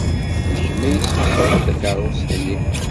D kemm ay yesxeṣren takeṛṛust-nni.